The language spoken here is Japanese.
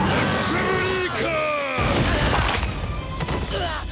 うわっ！